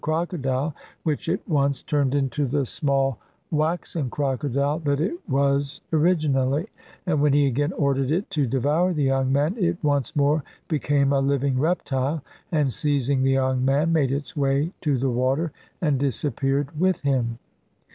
CLI waxen crocodile that it was originally, and when he again ordered it to devour the young man, it once more became a living reptile, and, seizing the young man, made its way to the water, and disap peared with him.